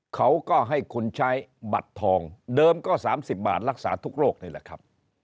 เขาก็ให้คุณใช้บัตรทองเดิมก็๓๐บาทรักษาทุกโรคนี่แหละครับ